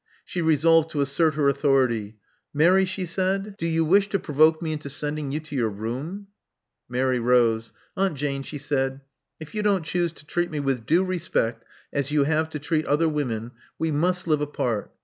She resolved to assert her authority. "Mary," she said: "do ii6 Love Among the Artists you wish to provoke me into sending you to your room?" Mary rose. '*Aunt Jane,'* she said, '*if you don't choose to treat me with due respect, as you have to treat other women, we must live apart.